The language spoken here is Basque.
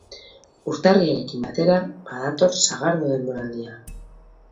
Urtarrilarekin batera, badator sagardo denboraldia.